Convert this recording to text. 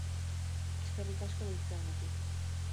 Eskerrik asko deitzeagatik.